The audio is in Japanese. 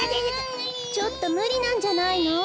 ちょっとむりなんじゃないの。